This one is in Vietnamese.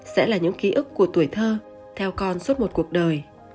sẽ là những ký ức của tuổi thơ theo con suốt một cuộc đời